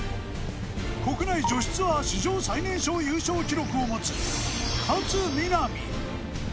国内女子ツアー史上最年少優勝記録を持つ勝みなみ。